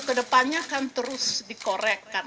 ke depannya akan terus dikorekkan